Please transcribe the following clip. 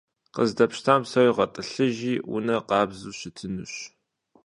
Къыздэпщтам псори гъэтӏылъыжи, унэр къабзэу щытынущ.